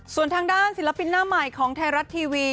ส่วนทางด้านศิลปินหน้าใหม่ของไทยรัฐทีวี